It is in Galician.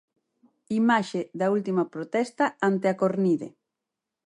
Imaxe da última protesta ante a Cornide.